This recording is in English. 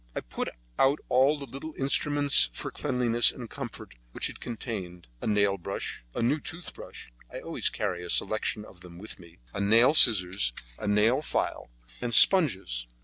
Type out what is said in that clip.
I put out all the little instruments for cleanliness and comfort which it contained: a nail brush, a new toothbrush—I always carry a selection of them about with me—my nail scissors, a nail file, and sponges.